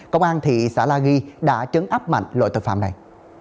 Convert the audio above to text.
công an thị xã la ghi đã trấn áp mạnh loại tội phạm này